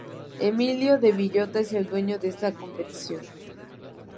Emilio de Villota es el dueño de esta competición.